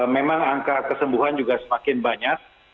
memang angka kesembuhan juga semakin banyak